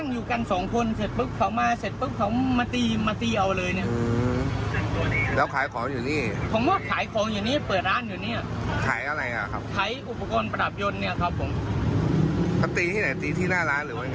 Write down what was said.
อยู่หน้าร้านนี้เลยครับผม